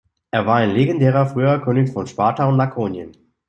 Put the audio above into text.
Er war ein legendärer früher König von Sparta und Lakonien.